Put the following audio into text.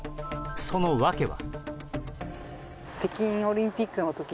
その訳は。